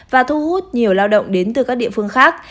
và thu hút nhiều lao động đến từ các địa phương khác